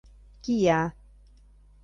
— Кия.